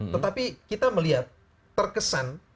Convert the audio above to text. tetapi kita melihat terkesan